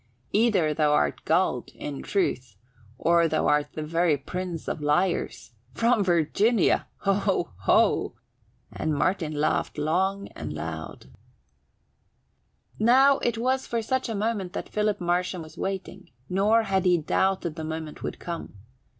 "Either th' art gulled, in truth, or th' art the very prince of liars. From Virginia! Ho ho!" And Martin laughed loud and long. Now it was for such a moment that Philip Marsham was waiting, nor had he doubted the moment would come.